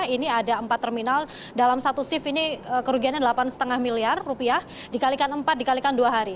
ini ada empat terminal dalam satu shift ini kerugiannya delapan lima miliar rupiah dikalikan empat dikalikan dua hari